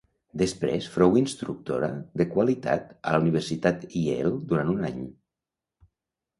Després fou instructora de qualitat a la Universitat Yale durant un any.